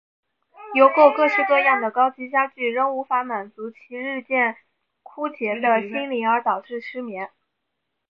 邮购各式各样的高级家具仍无法满足其日渐枯竭的心灵而导致失眠。